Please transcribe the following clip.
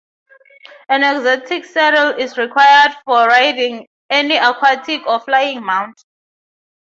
An exotic saddle is required for riding any aquatic or flying mount.